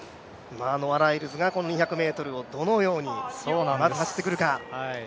ノア・ライルズがこの２００ｍをどのように走ってくるか。